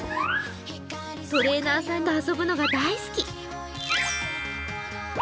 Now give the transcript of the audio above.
トレーナーさんと遊ぶのが大好き。